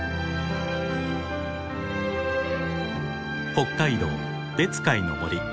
北海道別海の森。